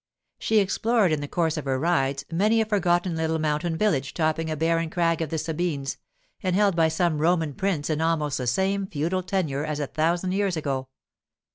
She explored, in the course of her rides, many a forgotten little mountain village topping a barren crag of the Sabines, and held by some Roman prince in almost the same feudal tenure as a thousand years ago.